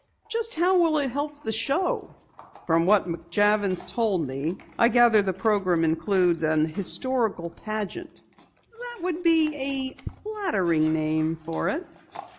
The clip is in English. "Just how will it help the show?" "From what McJavins told me, I gather the program includes an historical pageant." "That would be a flattering name for it."